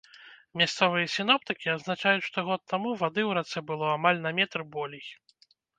Мясцовыя сіноптыкі адзначаюць, што год таму вады ў рацэ было амаль на метр болей.